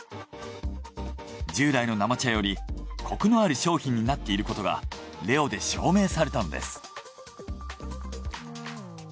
従来の生茶よりコクのある商品になっていることがレオで証明されたのです。